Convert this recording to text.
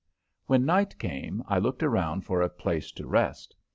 When night came I looked around for a place to rest.